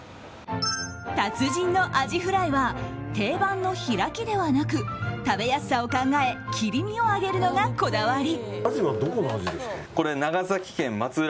達人のアジフライは定番の開きではなく食べやすさを考え切り身を揚げるのがこだわり。